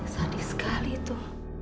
sadis sekali itu